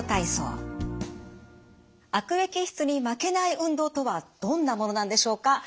悪液質に負けない運動とはどんなものなんでしょうか。